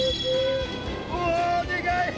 うおでかい！